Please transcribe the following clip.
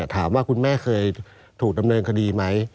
ถามว่าคุณแม่เคยถูกดำเนินคดีไหม